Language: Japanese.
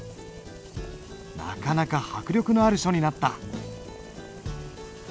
なかなか迫力のある書になった。